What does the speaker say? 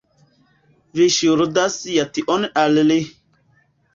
Vi ŝuldas ja tion al li.